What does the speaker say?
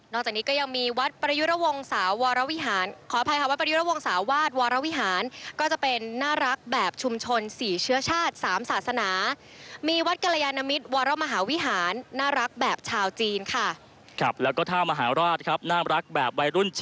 นอกจากนี้ก็ยังมีวัดประยุรวงศาวาดวาลวิหารก็จะเป็นน่ารักแบบชุมชนสี่เชื้อชาติสามศาสนามีวัดกรยานมิตวรมหาวิหารน่ารักแบบชาวจีน